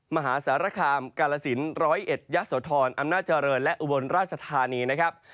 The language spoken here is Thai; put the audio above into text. มหาสารคามกาลสินร้อยเอ็ดยะโสธรอำนาจเจริญและอุบลราชธานีนะครับ